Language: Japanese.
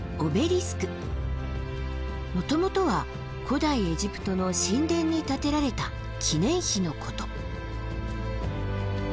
もともとは古代エジプトの神殿に建てられた記念碑のこと。